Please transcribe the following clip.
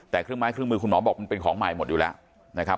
แต่เครื่องไม้เครื่องมือคุณหมอบอกมันเป็นของใหม่หมดอยู่แล้วนะครับ